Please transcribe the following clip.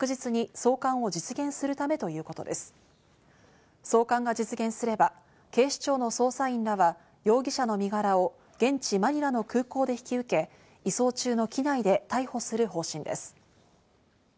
送還が実現すれば警視庁の捜査員らは容疑者の身柄を現地マニラの空港で引き受け、移送中の機内で逮捕する方針です。